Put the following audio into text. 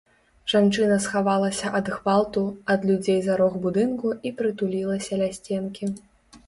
Жанчына схавалася ад гвалту, ад людзей за рог будынку і прытулілася ля сценкі.